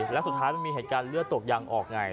แล้วสุดท้ายมันมีเรื่องการเหลือตกยังออกไง